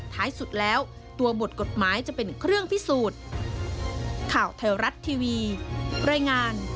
ท้ายสุดแล้วตัวบทกฎหมายจะเป็นเครื่องพิสูจน์